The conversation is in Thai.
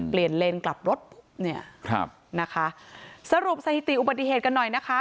เปลี่ยนเลนส์กลับรถเนี่ยครับนะคะสรุปสถิติอุบัติเหตุกันหน่อยนะคะ